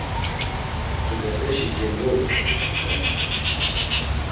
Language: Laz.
Tudepeşi celvourt̆ey ǩomape.